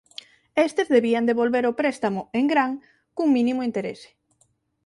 Estes debían devolver o préstamo en gran cun mínimo interese.